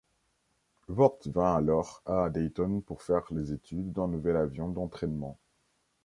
Vought vint alors à Dayton pour faire les études d'un nouvel avion d'entraînement.